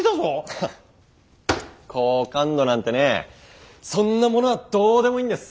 ハッ好感度なんてねそんなものはどうでもいいんです。